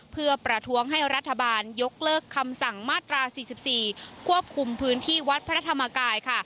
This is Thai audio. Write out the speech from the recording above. เพื่อประท้วงให้รัฐบาลยกเลิกคำสั่งมาตรา๔๔ควบคุมพื้นที่วัดพระธรรมกายค่ะ